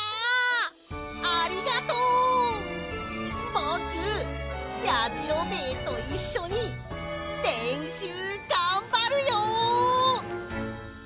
ぼくやじろべえといっしょにれんしゅうがんばるよ！